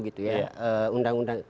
gitu ya undang undang